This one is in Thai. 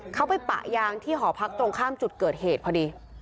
เขาไปปะยางที่หอพักตรงข้ามจุดเกิดเหตุพอดี